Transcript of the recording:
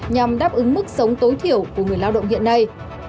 nhằm đáp ứng mức sống tối thiểu của người lao động hiện nay